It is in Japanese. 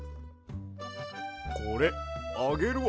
これあげるわ。